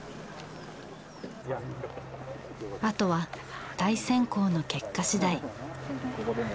あとは対戦校の結果次第。